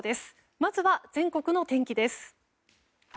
まずは全国の天気です。